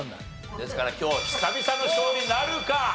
ですから今日久々の勝利なるか？